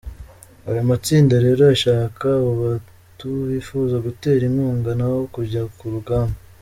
Ayo matsinda rero yashaka abo batu bifuza gutera inkunga n’abo kujya ku rugamba.